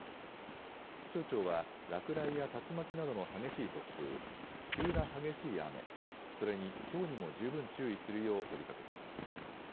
気象庁は、落雷や竜巻などの激しい突風、急な激しい雨、それにひょうにも十分注意するよう呼びかけています。